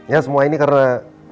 ya semua ini karena